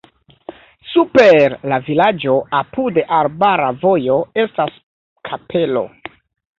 Super la vilaĝo apud arbara vojo estas kapelo.